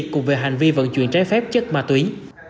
cùng về hành vi vận chuyển trái phép chất ma túy